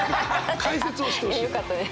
解説をしてほしいの。